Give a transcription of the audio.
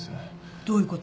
どういうこと？